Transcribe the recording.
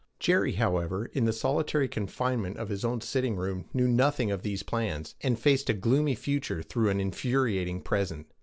Jerry, however, in the solitary confinement of his own sitting room, knew nothing of these plans, and faced a gloomy future through an infuriating present.